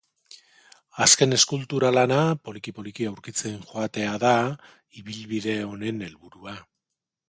Azken eskultura-lana poliki-poliki aurkitzen joatea da ibilbide honen helburua.